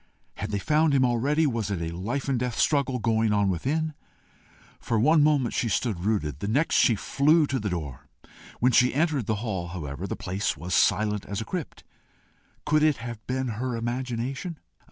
Had they found him already? Was it a life and death struggle going on within? For one moment she stood rooted; the next she flew to the door. When she entered the hall, however, the place was silent as a crypt. Could it have been her imagination?